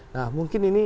nah mungkin ini